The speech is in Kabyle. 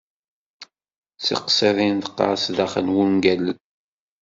Tiqsiḍin teqqar sdaxel d wungalen.